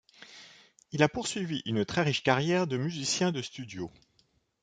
Il a poursuivi une très riche carrière de musicien de studio.